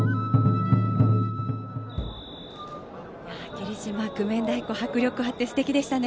霧島九面太鼓迫力あってすてきでしたね。